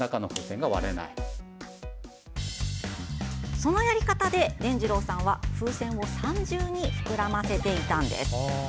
そのやり方ででんじろうさんは風船を三重に膨らませていたんです。